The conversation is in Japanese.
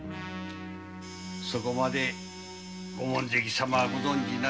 そこまでご門跡様はご存じない。